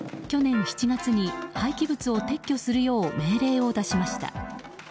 去年７月に廃棄物を撤去するよう命令を出しました。